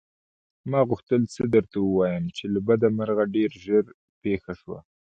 ما غوښتل څه درته ووايم چې له بده مرغه ډېر ژر پېښه شوه.